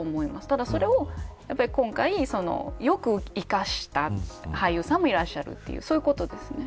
ただ、それを今回よく生かした俳優さんもいらっしゃるということですね。